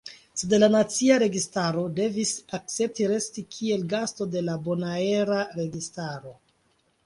Sed la nacia registaro devis akcepti resti kiel gasto de la bonaera registaro.